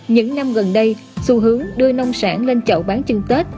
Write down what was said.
những năm gần đây xu hướng đưa nông sản lên chậu bán chân tết